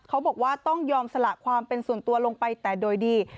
เขาบอกว่าต้องยอมสละความเป็นส่วนตัวลงไปแต่โดยดี